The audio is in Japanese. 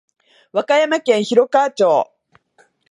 和歌山県広川町